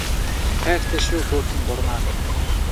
Хайртай шүү хөөрхөн бурмаа минь